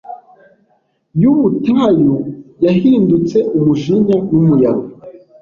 yubutayu yahindutse umujinya Numuyaga